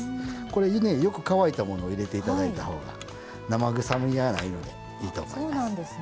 これねよく乾いたものを入れて頂いた方が生臭みがないのでいいと思います。